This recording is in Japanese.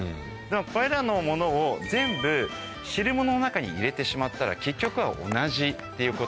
これらのものを全部汁物の中に入れてしまったら結局は同じっていうこと。